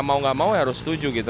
mau nggak mau harus setuju gitu